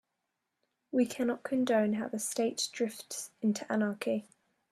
We cannot condone how the state drifts into anarchy.